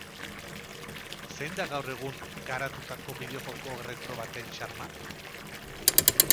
Zein da gaur egun garatutako bideo-joko retro baten xarma?